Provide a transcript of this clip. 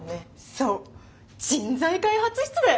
そう人材開発室だよ！